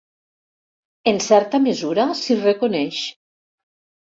En certa mesura, s'hi reconeix.